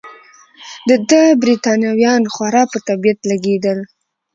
د ده بریتانویان خورا په طبیعت لګېدل.